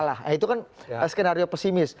nah itu kan skenario pesimis